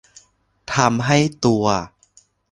ทำให้ตัว